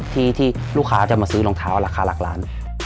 ที่ลูกค้าจะมาซื้อรองเท้าราคาหลักล้าน